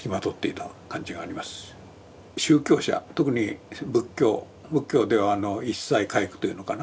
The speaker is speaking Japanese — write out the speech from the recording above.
宗教者特に仏教仏教では一切皆苦というのかな